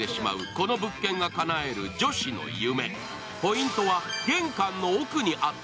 この物件がかなえる女子の夢。